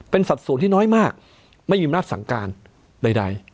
เป็นสัดส่วนที่น้อยมากไม่มีอำนาจสั่งการใด